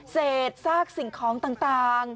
เศษซากสิ่งของต่าง